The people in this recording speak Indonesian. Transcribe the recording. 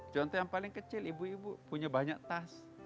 contoh yang paling kecil ibu ibu punya banyak tas